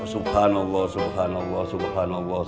subhanallah subhanallah subhanallah